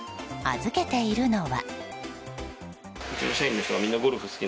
預けているのは。